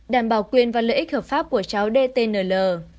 đảm bảo quyền và lợi ích hợp pháp của cháu dtnl